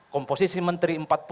komposisi menteri empat puluh